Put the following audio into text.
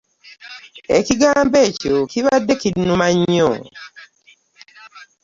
Ekigambo ekyo kibadde kinnuma nnyo.